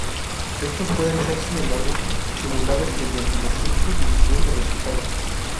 Estos pueden ser sin embargo simulados mediante la simple división de resultados.